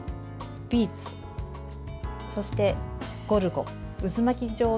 ビーツ、そしてゴルゴ渦巻き状のビーツです。